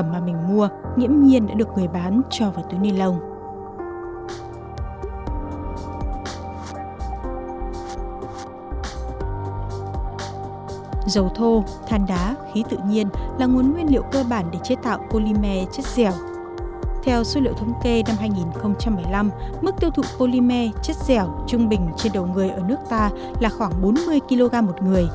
lĩnh vực tiêu thụ polymer chất dẻo trung bình trên đầu người ở nước ta là khoảng bốn mươi kg một người